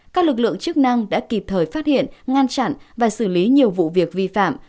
các lực lượng chức năng đã kịp thời phát hiện ngăn chặn và xử lý nhiều vụ việc vi phạm